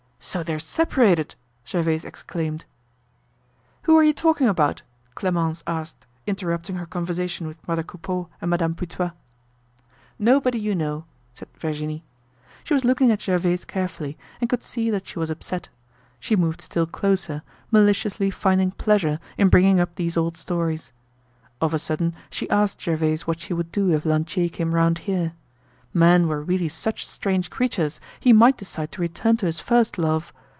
"So they're separated!" Gervaise exclaimed. "Who are you talking about?" Clemence asked, interrupting her conversation with mother Coupeau and Madame Putois. "Nobody you know," said Virginie. She was looking at Gervaise carefully and could see that she was upset. She moved still closer, maliciously finding pleasure in bringing up these old stories. Of a sudden she asked Gervaise what she would do if Lantier came round here. Men were really such strange creatures, he might decide to return to his first love.